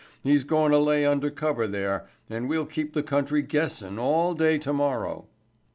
He's going to lay under cover there, and we'll keep the country guessin' all day tomorrow."